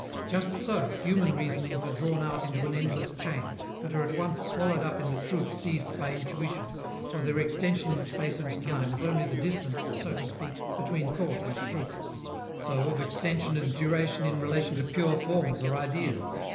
Just so, human reasonings are drawn out into an endless chain, but are at once swallowed up in the truth seized by intuition, for their extension in space and time is only the distance, so to speak, between thought and truth. So of extension and duration in relation to pure Forms or Ideas.